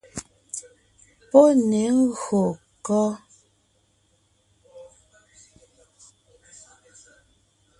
Pɔ́ ne ngÿô kɔ́?